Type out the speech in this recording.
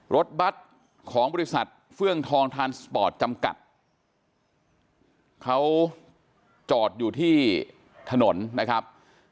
รถบัตรของบริษัทเฟื่องทองทานสปอร์ตจำกัดเขาจอดอยู่ที่ถนนนะครับ